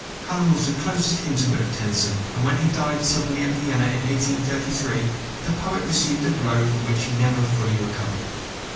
Hallam was the closest intimate of Tennyson, and when he died suddenly at Vienna in 1833 the poet received a blow from which he never fully recovered.